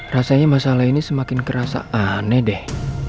rasanya masalah ini semakin kerasa aneh deh